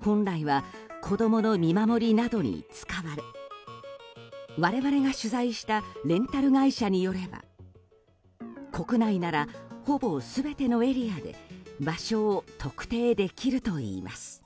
本来は子供の見守りなどに使われ我々が取材したレンタル会社によれば国内ならほぼ全てのエリアで場所を特定できるといいます。